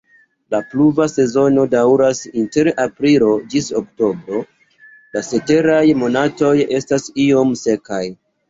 La pluva sezono daŭras inter aprilo ĝis oktobro, la ceteraj monatoj estas iom sekaj.